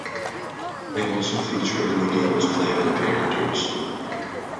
They also feature in the game as playable characters.